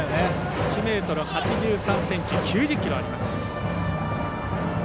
１ｍ８３ｃｍ９０ｋｇあります。